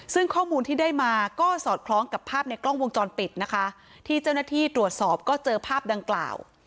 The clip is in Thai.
ซึ่งข้อมูลที่ได้มาก็สอดคล้องกับภาพในกล้องวงจรปิดนะคะที่เจ้าหน้าที่ตรวจสอบก็เจอภาพดังกล่าว